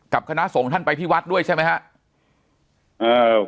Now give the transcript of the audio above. คณะส่งท่านไปที่วัดด้วยใช่ไหมครับ